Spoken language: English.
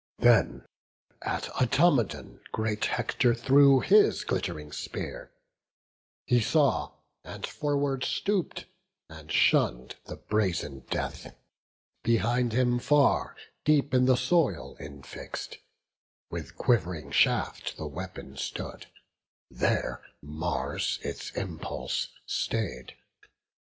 Then at Automedon great Hector threw His glitt'ring spear; he saw, and forward stoop'd, And shunn'd the brazen death; behind him far Deep in the soil infix'd, with quiv'ring shaft The weapon stood; there Mars its impulse stay'd.